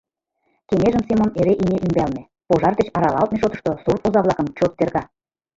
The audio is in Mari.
Кеҥежым Семон эре имне ӱмбалне, пожар деч аралалтме шотышто сурт оза-влакым чот терга.